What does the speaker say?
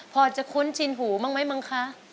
พอจะคุ้นชินหูบ้างไหมมั้งคะ